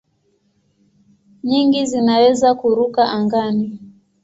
Nyingi zinaweza kuruka angani.